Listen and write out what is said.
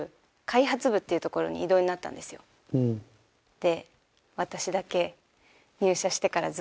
で。